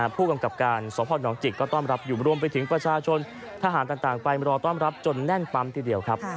ไปมารอต้อนรับจนแน่นปั๊มทีเดียวครับ